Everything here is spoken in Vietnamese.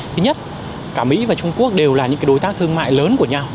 thứ nhất cả mỹ và trung quốc đều là những đối tác thương mại lớn của nhau